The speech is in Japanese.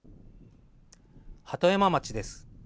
鳩山町です。